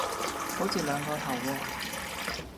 好似兩個頭喎